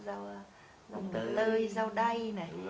rau mùi lơi rau đay